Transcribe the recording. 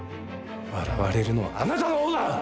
笑われるのはあなたのほうだ！